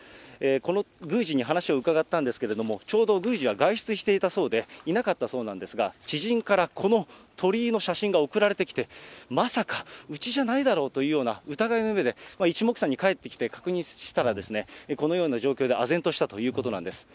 この宮司に話を伺ったんですけれども、ちょうど宮司は外出していたそうで、いなかったそうなんですが、知人からこの鳥居の写真が送られてきて、まさか、うちじゃないだろうというような、疑いをかけていちもくさんに帰ってきて、確認したら、このような状況で、あぜんとしたということなんです。